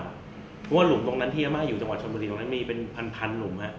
เพราะว่าหลุมตรงนั้นที่อาม่าอยู่จังหวัดชนบุรีตรงนั้นมีเป็นพันหลุม